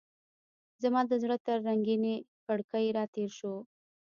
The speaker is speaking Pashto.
زما د زړه تر رنګینې کړکۍ راتیر شو